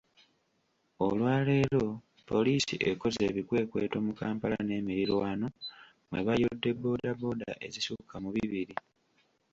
Olwaleero Poliisi ekoze ebikwekweto mu Kampala n'emirirwano mwe bayodde bbooda bbooda ezisukka mu bibiri.